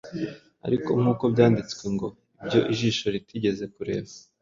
Ariko, nk’uko byanditswe ngo; ‘Ibyo ijisho ritigeze kureba,